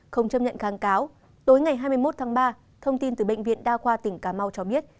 không chấp nhận kháng cáo tối ngày hai mươi một tháng ba thông tin từ bệnh viện đa khoa tỉnh cà mau cho biết